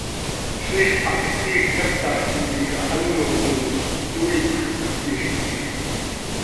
Ziix hacx tiij catax tintica áno timoz, tooipj, haquix yiij.